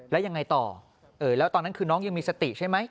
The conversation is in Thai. แล้วยังไงต่อแล้วตอนนั้นคือน้องยังมีสติใช่ไหม